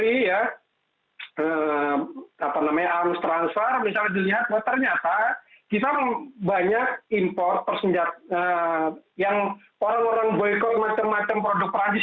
misalnya dilihat ternyata kita banyak import yang orang orang boycott macam macam produk prancis